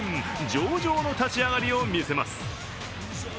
上々の立ち上がりを見せます。